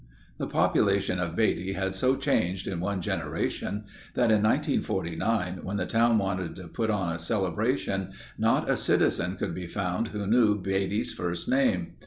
The population of Beatty had so changed in one generation that in 1949 when the town wanted to put on a celebration, not a citizen could be found who knew Beatty's first name.